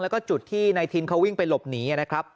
แล้วก็จุดที่นายทินเขาวิ่งไปหลบหนีนะครับ